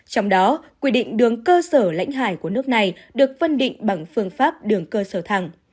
trong đó quy định đường cơ sở lãnh hải của nước này được phân định bằng phương pháp đường cơ sở thẳng